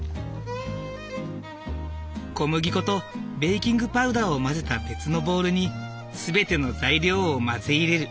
小麦粉とベーキングパウダーを混ぜた別のボウルに全ての材料を混ぜ入れる。